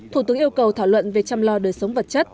thủ tướng yêu cầu thảo luận về chăm lo đời sống vật chất